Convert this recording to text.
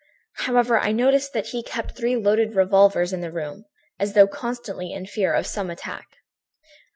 "However, I noticed that he kept three loaded revolvers in the room, as though constantly in fear of some attack.